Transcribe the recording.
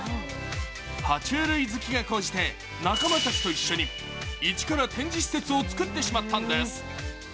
爬虫類好きが高じて、仲間たちと一緒に、一から展示施設をつくってしまったんです。